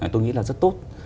tôi nghĩ là rất tốt